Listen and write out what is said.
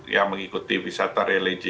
yang mengikuti wisata religi